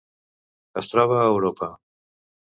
Es troba a Europa: